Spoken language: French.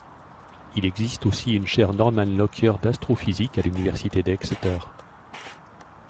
Il existe aussi une chaire Norman Lockyer d'astrophysique à l'université d'Exeter.